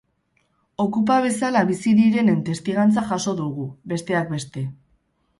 Okupa bezala bizi direnen testigantza jaso dugu, besteak beste.